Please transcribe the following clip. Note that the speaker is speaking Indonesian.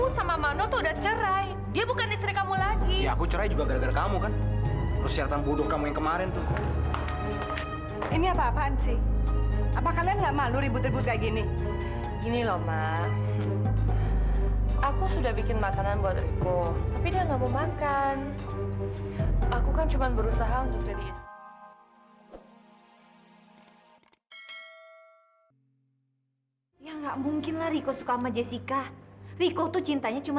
sampai jumpa di video selanjutnya